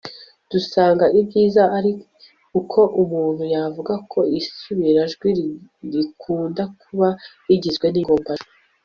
dusanga ibyiza ari uko umuntu yavuga ko isubirajwi rikundakuba rigizwe n'ingombajwi